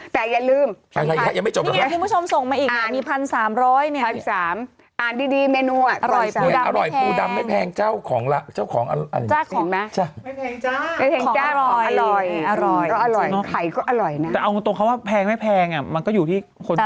แต่เอาตรงเขาว่าแพงไม่แพงมันก็อยู่ที่คนจ่าย